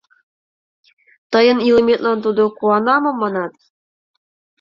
— Тыйын илыметлан тудо куана мо манат?